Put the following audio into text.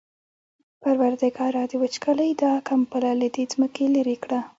پروردګاره د وچکالۍ دا کمپله له دې ځمکې لېرې کړه.